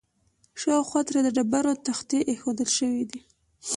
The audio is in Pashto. شاوخوا ترې د ډبرو تختې ایښودل شوي دي.